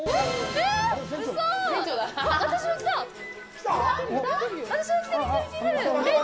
えっ？